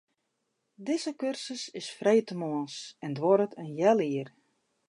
Dizze kursus is freedtemoarns en duorret in heal jier.